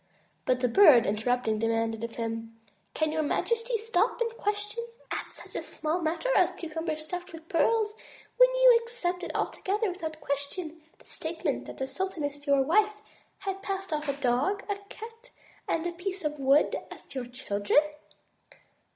But the Bird, interrupting, demanded of him: "Can your majesty stop and question at such a small matter as cucumbers stuffed with pearls, when you accepted altogether without question the state ment that the sultaness your wife, had passed off a dog, a cat, and a piece of wood as your children?"